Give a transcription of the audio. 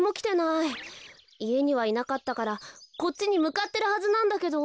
いえにはいなかったからこっちにむかってるはずなんだけど。